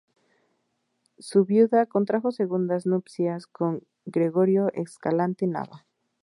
Su viuda contrajo segundas nupcias con Gregorio Escalante Nava.